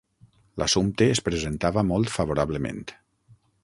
L'assumpte es presentava molt favorablement.